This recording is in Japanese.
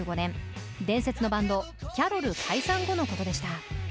伝説のバンドキャロル解散後のことでした。